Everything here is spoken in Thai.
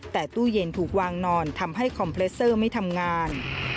แต่ตู้เย็นถูกวางนอนทำให้คอมเพลสเซอร์ไม่ทำงาน